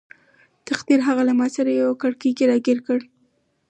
تقدیر هغه له ماسره په یوه کړۍ کې راګیر کړ.